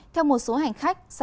theo một số hành khách